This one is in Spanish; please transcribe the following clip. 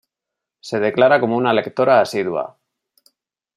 Se declara como una lectora asidua.